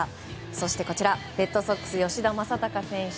そして、レッドソックス吉田正尚選手